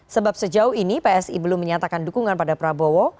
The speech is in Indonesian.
sebab sejauh ini psi belum menyatakan dukungan pada prabowo